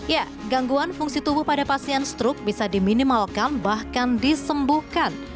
ya gangguan fungsi tubuh pada pasien stroke bisa diminimalkan bahkan disembuhkan